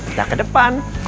kita ke depan